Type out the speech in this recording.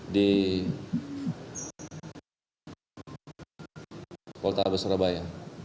di poltava surabaya